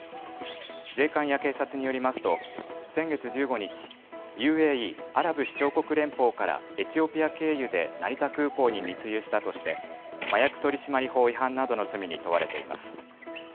税関や警察によりますと先月１５日、ＵＡＥ・アラブ首長国連邦からエチオピア経由で成田空港に密輸したとして麻薬取締法違反などの罪に問われています。